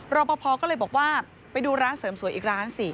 รอปภก็เลยบอกว่าไปดูร้านเสริมสวยอีกร้านสิ